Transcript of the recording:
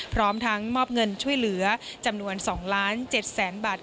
พร้อมทั้งมอบเงินช่วยเหลือจำนวน๒ล้าน๗แสนบาท